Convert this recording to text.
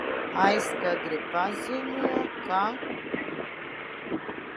Aizkadr? pazi?o, ka